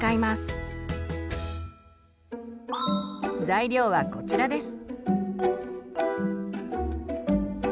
材料はこちらです。